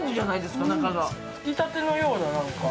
つきたてのような、何か。